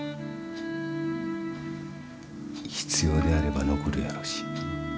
必要であれば残るやろうし。